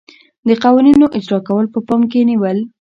د قوانینو اجرا کول په پام کې نیول.